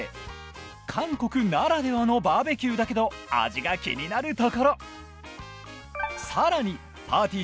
韓国ならではのバーベキューだけど味が気になるところ更にぱーてぃー